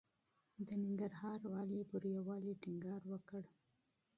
د ننګرهار والي پر يووالي ټينګار وکړ.